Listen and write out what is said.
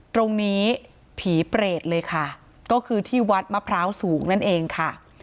ตรงนี้ผีเปรตเลยค่ะก็คือที่วัดมะพร้าวสูงนั่นเองค่ะ